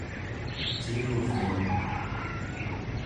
ciuriuq